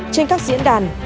trên các diễn đàn